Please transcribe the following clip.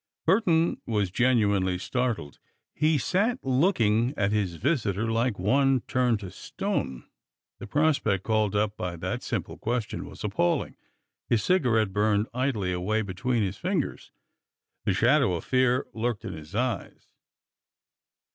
Burton was genuinely startled. He sat looking at his visitor like one turned to stone. The prospect called up by that simple question was appalling. His cigarette burned idly away between his fingers. The shadow of fear lurked in his eyes.